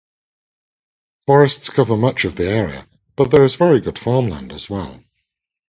Forests cover much of the area, but there is very good farmland as well.